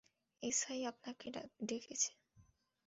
SI আপনাকে ডেকেছে।